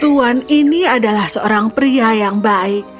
tuan ini adalah seorang pria yang baik